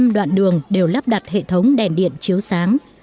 một trăm linh đoạn đường đều lắp đặt hệ thống đèn điện chiếu sáng